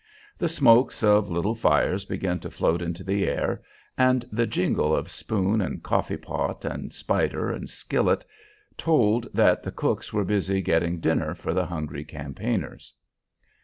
The smokes of little fires began to float into the air, and the jingle of spoon and coffee pot and "spider" and skillet told that the cooks were busy getting dinner for the hungry campaigners.